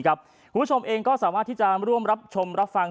คุณผู้ชมเองก็สามารถที่จะร่วมรับชมรับฟัง